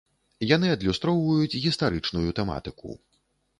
Яны адлюстроўваюць гістарычную тэматыку.